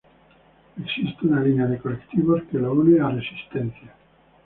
Existe una línea de colectivos que la une a Resistencia.